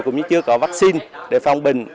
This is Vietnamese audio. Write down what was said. cũng như chưa có vaccine để phòng bệnh